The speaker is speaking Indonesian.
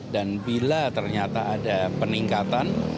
dan bila ternyata ada peningkatan